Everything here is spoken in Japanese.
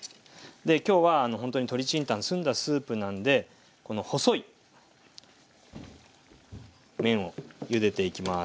今日はほんとに鶏清湯澄んだスープなんでこの細い麺をゆでていきます。